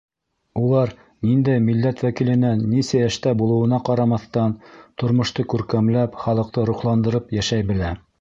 Улар, ниндәй милләт вәкиленән, нисә йәштә булыуына ҡарамаҫтан, тормошто күркәмләп, халыҡты рухландырып йәшәй белә.